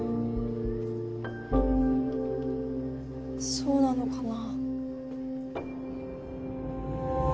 そうなのかな。